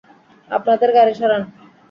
আপনাদের গাড়ি সরান।